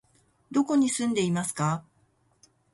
どこに住んでいますか？